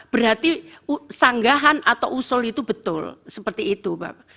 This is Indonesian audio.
berarti sanggahan atau usaha mereka tidak menjawab